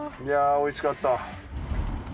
いやおいしかった。